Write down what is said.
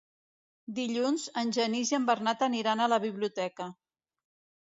Dilluns en Genís i en Bernat aniran a la biblioteca.